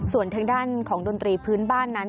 ส่วนทางด้านของดนตรีพื้นบ้านนั้น